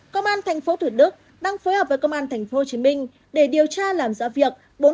công an tp thủ đức đang phối hợp với công an tp hcm để điều tra làm rõ việc